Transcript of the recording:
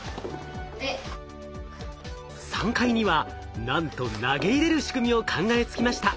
３階にはなんと投げ入れる仕組みを考えつきました。